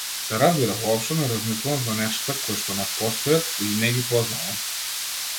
Се разбира, воопшто не размислувам за нештата коишто не постојат или не ги познавам.